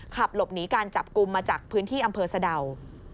ขับหลบหนีการจับกลุ่มมาจากพื้นที่อำเภอสะดาว